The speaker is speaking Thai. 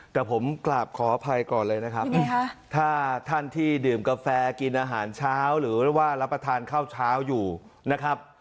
แต่ผมกราบขออภัยก่อนเลยนะครับถ้าท่านที่ดื่มกาแฟกินอาหารเช้าหรือว่ารับประทานข้าวเช้าอยู่นะครับ